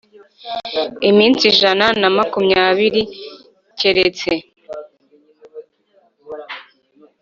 Iminsi ijana na makumyabiri keretse